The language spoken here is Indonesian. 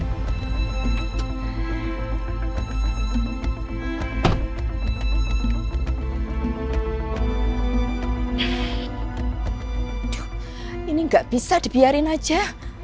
aduh ini nggak bisa dibiarin aja